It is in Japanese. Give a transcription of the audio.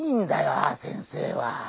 「あ！先生」は。